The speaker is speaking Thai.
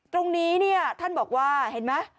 ตรงนี้ท่านบอกว่า